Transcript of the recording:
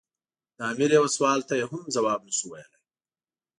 د امیر یوه سوال ته یې هم ځواب نه شو ویلای.